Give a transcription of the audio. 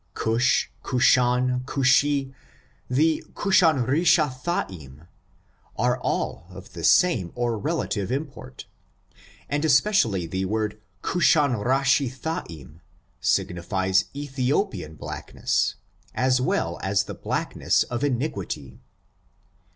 Cushj Cushan, Cushi^ and Chu Shan Rish A'Thaim, are all of the same or relative import, and especially the word Cushanrishathaim, signifies Ethiopian black ness, as well as the blackness of iniquity.